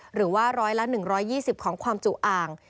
หรือว่า๑๐๐ล้าน๑๒๐ของความจุอ่าง